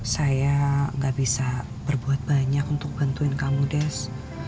saya gak bisa berbuat banyak untuk bantuin kamu des